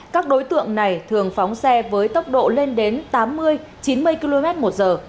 các đối tượng này thường phóng xe với tốc độ lên đến tám mươi chín mươi km một giờ